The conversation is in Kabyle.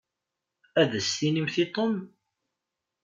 Ad as-tinimt i Tom?